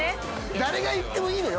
誰が行ってもいいのよ